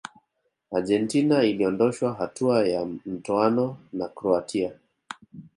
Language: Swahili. argentina iliondoshwa hatua ya mtoano na croatia